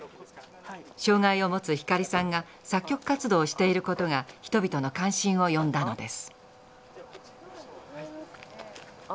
障害を持つ光さんが作曲活動をしていることが人々の関心を呼んだのです。